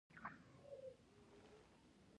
زلمی خان: هو، خو همدا لامل دی، چې وایم.